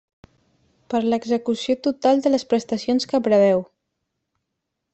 Per l'execució total de les prestacions que preveu.